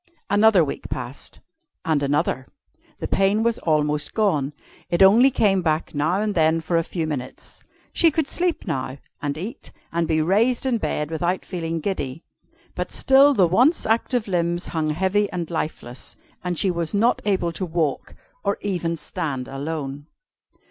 Another week passed, and another. The pain was almost gone. It only came back now and then for a few minutes. She could sleep now, and eat, and be raised in bed without feeling giddy. But still the once active limbs hung heavy and lifeless, and she was not able to walk, or even stand alone.